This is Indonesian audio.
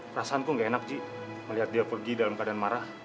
perasaanku gak enak sih melihat dia pergi dalam keadaan marah